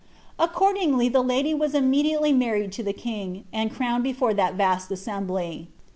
Accordingly the lady was immediately married to the king, and crowned before thai vast assembly."